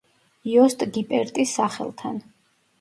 იოსტ გიპერტის სახელთან.